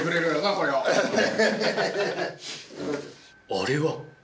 「あれは」